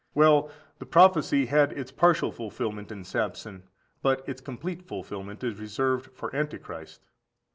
Well, the prophecy had its partial fulfilment in Samson, but its complete fulfilment is reserved for Antichrist.